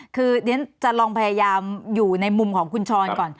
คือเดี๋ยวจะลองพยายามอยู่ในมุมของคุณชรก่อน